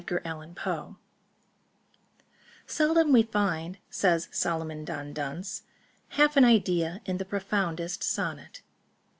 ] AN ENIGMA "Seldom we find," says Solomon Don Dunce, "Half an idea in the profoundest sonnet.